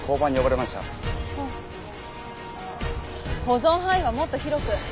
保存範囲はもっと広く。